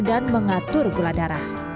dan mengatur gula darah